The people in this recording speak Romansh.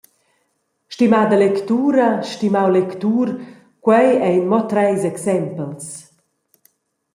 Stimada lectura, stimau lectur, quei ein mo treis exempels.